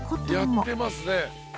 やってますね。